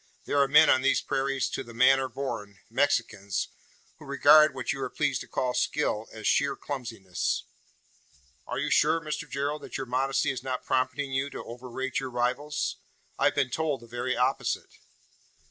There are men on these prairies `to the manner born' Mexicans who regard, what you are pleased to call skill, as sheer clumsiness." "Are you sure, Mr Gerald, that your modesty is not prompting you to overrate your rivals? I have been told the very opposite."